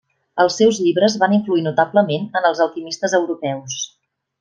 Els seus llibres van influir notablement en els alquimistes europeus.